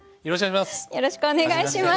よろしくお願いします。